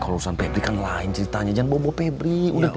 kalau urusan pebri kan lain ceritanya jangan bobo pebri udah deh